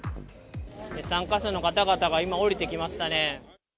参加者の方々が今、降りてきましたね。